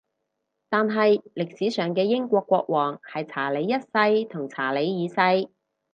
但係歷史上嘅英國國王係查理一世同查理二世